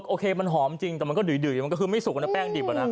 โอเคมันหอมจริงแต่มันก็ดุมันก็คือไม่สุกนะแป้งดิบอะนะ